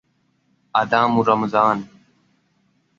Adamu Ramadan.